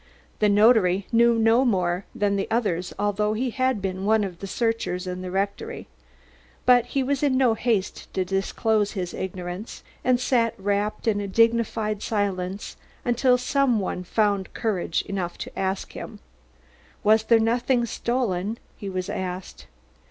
The notary knew no more than the others although he had been one of the searchers in the rectory. But he was in no haste to disclose his ignorance, and sat wrapped in a dignified silence until some one found courage to question him. "Was there nothing stolen?" he was asked.